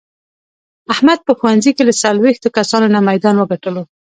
احمد په ښوونځې کې له څلوېښتو کسانو نه میدان و ګټلو.